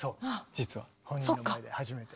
実は本人の前で初めて。